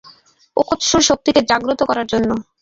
ওকোৎসুর শক্তিকে জাগ্রত করার জন্য।